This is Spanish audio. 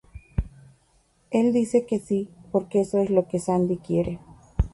Él dice que sí porque eso es lo que Sandy quiere.